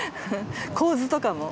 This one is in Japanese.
構図とかも。